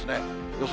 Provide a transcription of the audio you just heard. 予想